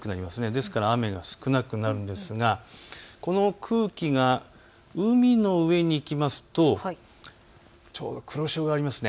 ですから雨が少なくなるんですがこの空気が海の上にいくとちょうど黒潮があります。